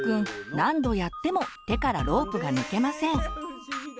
何度やっても手からロープが抜けません。